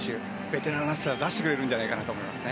ベテランらしさを出してくれるんじゃないかなと思います。